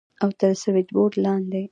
او تر سوېچبورډ لاندې.